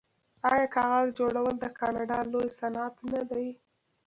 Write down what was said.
آیا کاغذ جوړول د کاناډا لوی صنعت نه دی؟